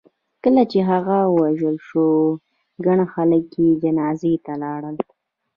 کله چې هغه ووژل شو ګڼ خلک یې جنازې ته لاړل.